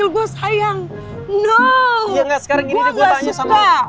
iya gak sekarang gini deh gue tanya sama lo